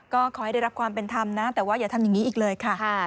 ก็ขอให้ได้รับความเป็นธรรมนะแต่ว่าอย่าทำอย่างนี้อีกเลยค่ะ